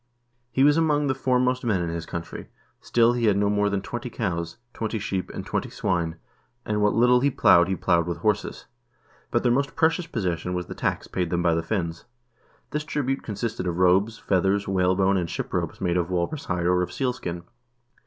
He was among the foremost men in his country, still he had no more than twenty cows, twenty sheep, and twenty swine, and what little he plowed he plowed with horses. But their most precious possession was the tax paid them by the Finns. This tribute consisted of robes, feathers, whalebone, and ship ropes made of walrus hide or of sealskin.